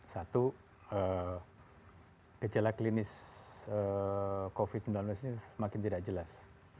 satu gejala klinis covid sembilan belas ini semakin tidak jelas